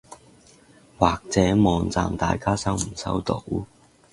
或者網站大家收唔收到？